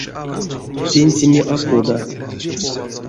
Тентеме а кода.